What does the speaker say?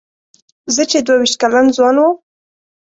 زه چې دوه وېشت کلن ځوان وم.